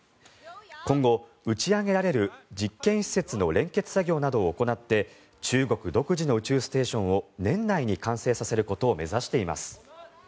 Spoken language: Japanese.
今後、打ち上げられる実験施設の連結作業などを行って中国独自の宇宙ステーションを年内に完成させることを目指しています。